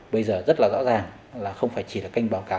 bây giờ rất là rõ ràng là không phải chỉ là kênh báo cáo